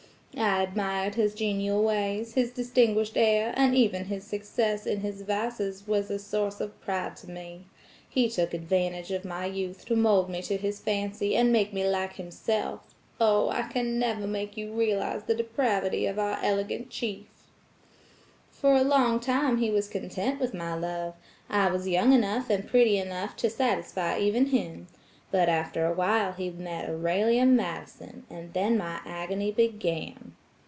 I admired his genial ways, his distinguished air, and even his success in his vices was a source of pride to me. He took advantage of my youth to mold me to his fancy, and make me like himself. Oh, I can never make you realize the depravity of our elegant chief. For a long time he was content with my love. I was young enough and pretty enough to satisfy even him. But after a while he met Aurelia Madison, and then my agony began."